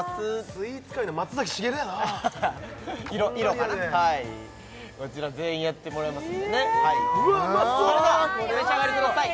スイーツ界の松崎しげるやなこんがりやで色がなこちら全員やってもらいますんでねうわお召し上がりください